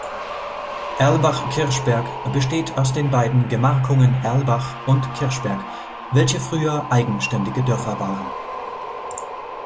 Erlbach-Kirchberg besteht aus den beiden Gemarkungen Erlbach und Kirchberg, welche früher eigenständige Dörfer waren.